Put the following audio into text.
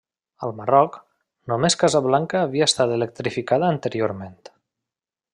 Al Marroc, només Casablanca havia estat electrificada anteriorment.